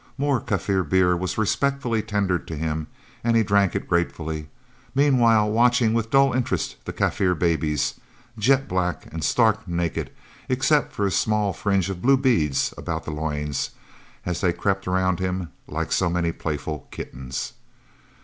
More Kaffir beer was respectfully tendered to him and he drank it gratefully, meanwhile watching with dull interest the Kaffir babies, jet black and stark naked, except for a small fringe of blue beads about the loins, as they crept around him, like so many playful kittens.